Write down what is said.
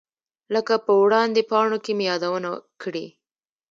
لکه په وړاندې پاڼو کې مې یادونه کړې.